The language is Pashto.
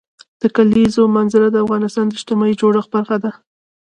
د کلیزو منظره د افغانستان د اجتماعي جوړښت برخه ده.